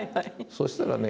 そしたらね